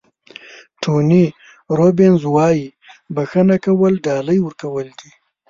ټوني روبینز وایي بښنه کول ډالۍ ورکول دي.